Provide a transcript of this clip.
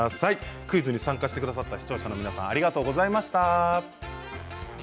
クイズに参加してくださった視聴者の皆さんありがとうございました。